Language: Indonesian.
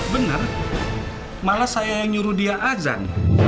benar malah saya yang nyuruh dia azan